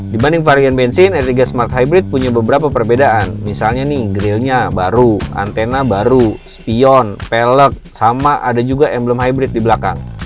dibanding varian bensin r tiga smart hybrid punya beberapa perbedaan misalnya nih grillnya baru antena baru spion pelek sama ada juga emblem hybrid di belakang